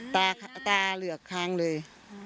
ตาเหลือกค้างเลย